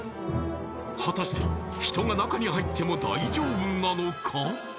果たして人が中に入っても大丈夫なのか？